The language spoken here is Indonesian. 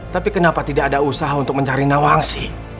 tapi kenapa tidak ada usaha untuk mencari nawangsi